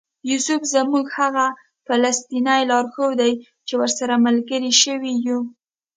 یوسف زموږ هغه فلسطینی لارښود دی چې ورسره ملګري شوي یو.